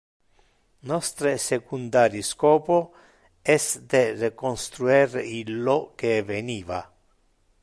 Nostre secundari scopo es de reconstruer illo que eveniva.